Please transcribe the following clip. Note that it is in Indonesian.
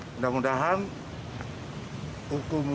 mudah mudahan hukum itu